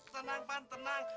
tenang pan tenang